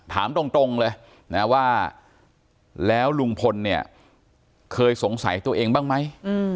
ถามตรงเลยนะว่าแล้วลุงพลเนี่ยเคยสงสัยตัวเองบ้างไหม